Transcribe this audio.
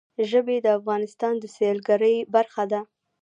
ژبې د افغانستان د سیلګرۍ برخه ده.